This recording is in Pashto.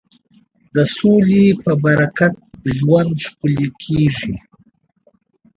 د سولې په برکت ژوند ښکلی کېږي.